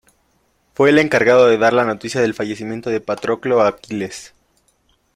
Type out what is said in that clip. Fue el encargado de dar la noticia del fallecimiento de Patroclo a Aquiles.